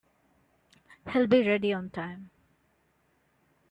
He'll be ready on time.